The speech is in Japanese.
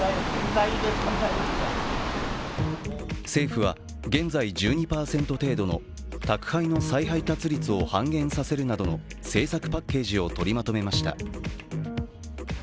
政府は現在１２％程度の宅配の再配達率を半減させるなどの政策パッケージをとりまとめました。